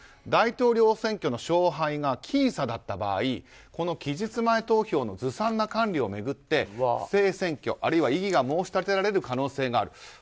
大統領選挙の勝敗が僅差だった場合、期日前投票のずさんな管理を巡って不正選挙あるいは異議が申し立てられる可能性がある。